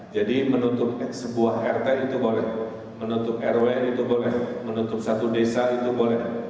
jadi menutup sebuah rt itu boleh menutup rw itu boleh menutup satu desa itu boleh